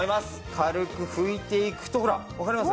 軽く拭いていくとほらわかります？